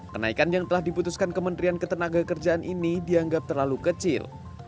kenaikan yang telah diputuskan kementerian ketenaga kerjaan ini dianggap terlalu kecil